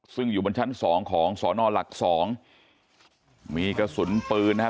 ซึ่งอยู่บนชั้นสองของสอนอหลักสองมีกระสุนปืนนะฮะ